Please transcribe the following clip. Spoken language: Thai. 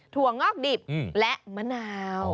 วงอกดิบและมะนาว